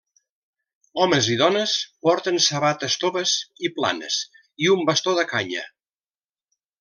Homes i dones porten sabates toves i planes, i un bastó de canya.